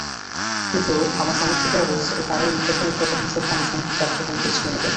কিন্তু আমার সমর্থকেরা বলছে, তারাই নির্বাচনের প্রচারণাসহ আনুষঙ্গিক কার্যক্রম গুছিয়ে নেবে।